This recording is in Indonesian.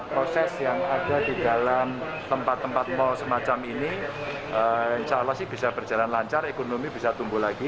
proses yang ada di dalam tempat tempat mal semacam ini insya allah sih bisa berjalan lancar ekonomi bisa tumbuh lagi